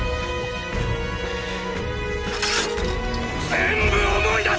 全部思い出せ！！